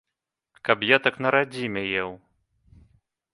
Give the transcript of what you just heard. Каб я так на радзіме еў.